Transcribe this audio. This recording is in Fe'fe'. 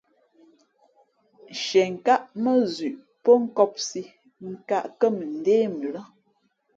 Nshienkáʼ mά zʉʼ pó nkōpsī nkāʼ kά mʉndé mʉ lά.